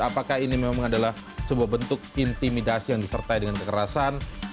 apakah ini memang adalah sebuah bentuk intimidasi yang disertai dengan kekerasan